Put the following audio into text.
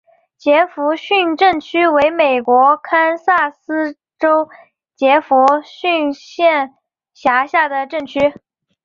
杰佛逊镇区为美国堪萨斯州杰佛逊县辖下的镇区。